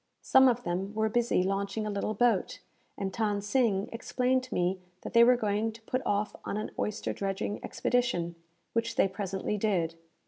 Some of them were busy launching a little boat, and Than Sing explained to me that they were going to put off on an oyster dredging expedition, which they presently did.